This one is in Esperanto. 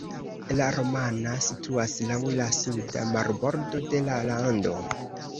La Romana situas laŭ la suda marbordo de la lando.